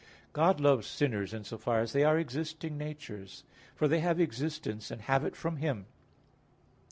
God loves sinners in so far as they are existing natures; for they have existence and have it from Him.